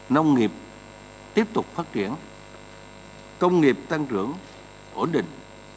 nông nghiệp tiếp tục phát triển công nghiệp tăng trưởng ổn định